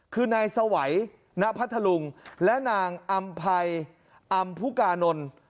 คือนายสวัยณพัทธลุงและนางอำภัยอำพุกานนท์